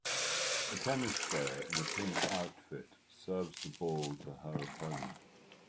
A tennis player in a pink outfit serves the ball to her opponent.